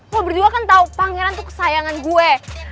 lo berdua kan tau pangeran tuh kesayangan gue